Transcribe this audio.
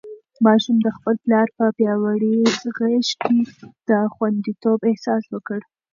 ماشوم د خپل پلار په پیاوړې غېږ کې د خونديتوب احساس وکړ.